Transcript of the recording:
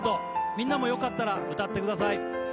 みんなもよかったら歌ってください